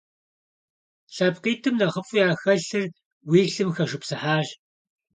ЛъэпкъитӀым нэхъыфӀу яхэлъыр уи лъым хэшыпсыхьащ.